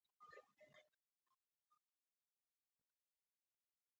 نو ناڅاپه مې تر خولې ووتل: